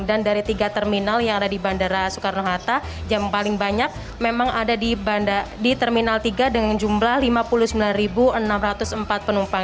dan dari tiga terminal yang ada di bandara soekarno hatta yang paling banyak memang ada di terminal tiga dengan jumlah lima puluh sembilan enam ratus empat penumpang